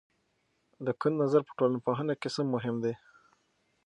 د کنت نظر په ټولنپوهنه کې څه مهم دی؟